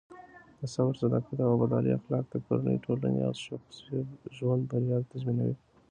د صبر، صداقت او وفادارۍ اخلاق د کورنۍ، ټولنې او شخصي ژوند بریا تضمینوي.